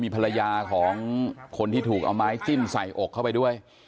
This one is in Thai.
ภรรยาของคนที่ถูกเอาไม้จิ้มใส่อกเข้าไปด้วย